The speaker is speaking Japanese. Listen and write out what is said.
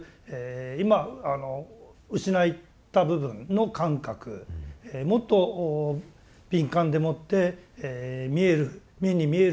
今失った部分の感覚もっと敏感でもって見える目に見える目に見えない